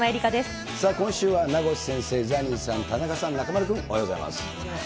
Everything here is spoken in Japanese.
さあ今週は名越先生、ザニーさん、田中さん、中丸君、よろしくお願いします。